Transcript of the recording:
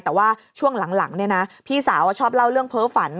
แต่ว่าช่วงหลังพี่สาวชอบเล่าเรื่องเพ้อฝัน